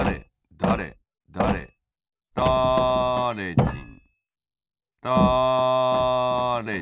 「だれだれだれじん」